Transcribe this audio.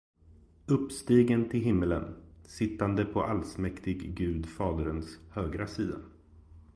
uppstigen till himmelen, sittande på allsmäktig Gud Faderns högra sida